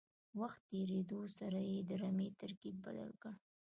وخت تېرېدو سره یې د رمې ترکیب بدل کړ.